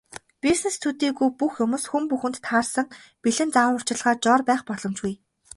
Бизнес төдийгүй бүх юмс, хүн бүхэнд таарсан бэлэн зааварчилгаа, жор байх боломжгүй.